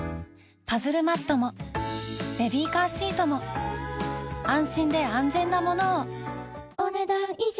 パズルマットもベビーカーシートも安心で安全なものをお、ねだん以上。